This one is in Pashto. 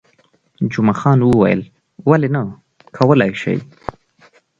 جمعه خان وویل، ولې نه، کولای شئ.